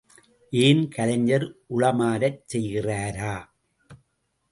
ஏன், கலைஞர் உளமாரச் செய்கிறாரா?